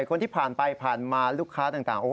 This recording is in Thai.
คนที่ผ่านไปผ่านมาลูกค้าต่าง